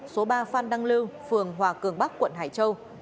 số ba phan đăng lưu phường hòa cường bắc quận hải châu